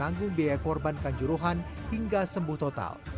tanggung biaya korban kan juruhan hingga sembuh total